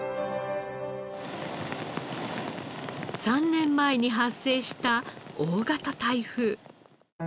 ３年前に発生した大型台風。